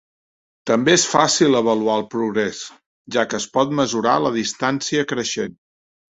També és fàcil avaluar el progrés, ja que es pot mesurar la distància creixent.